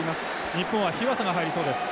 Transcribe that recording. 日本は日和佐が入りそうです。